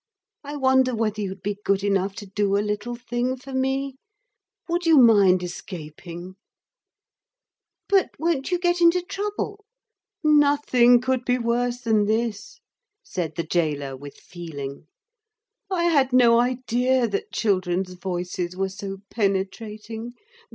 I wonder whether you'd be good enough to do a little thing for me? Would you mind escaping?' 'But won't you get into trouble?' 'Nothing could be worse than this,' said the gaoler, with feeling. 'I had no idea that children's voices were so penetrating.